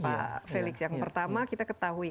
pak felix yang pertama kita ketahui